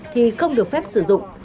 thì không được phép sử dụng